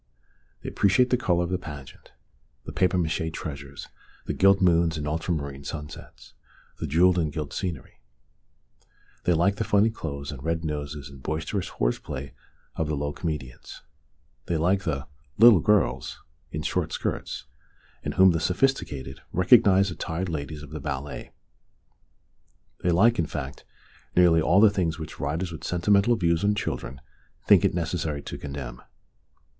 They appreciate the colour of the pageant, the papier mache treasures, the gilt moons and ultramarine sunsets, the jewelled and gilt scenery ; they like the funny clothes and red noses and boisterous horseplay of the low comedians ; they like the " little girls " in short skirts, in whom the sophisticated recognise the tired ladies of the ballet ; they like, in fact, nearly all the things which writers with sentimental views on children think it necessary to condemn.